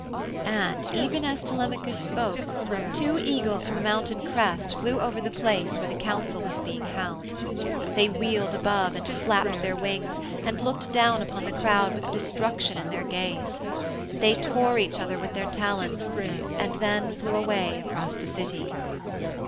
And even as Telemachus spoke, two eagles from a mountain crest flew over the place where the council was being held. They wheeled above and flapped their wings and looked down upon the crowd with destruction in their gaze. They tore each other with their talons, and then flew away across the City.